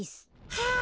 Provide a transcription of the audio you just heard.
はあ。